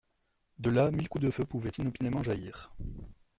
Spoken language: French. De là mille coups de feu pouvaient inopinément jaillir.